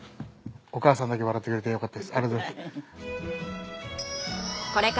お母さんだけ笑ってくれてよかったです。